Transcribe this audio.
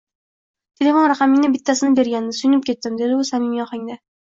Telefon raqamingni bittasi bergandi, suyunib ketdim, dedi u samimiy ohangda